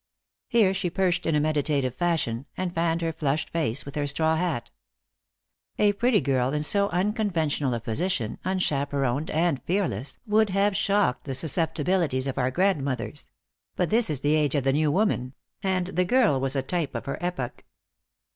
Here she perched in a meditative fashion, and fanned her flushed face with her straw hat. A pretty girl in so unconventional a position, unchaperoned and fearless, would have shocked the susceptibilities of our grandmothers. But this is the age of the New Woman, and the girl was a type of her epoch.